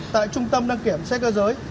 tại trung tâm đăng kiểm xe cơ giới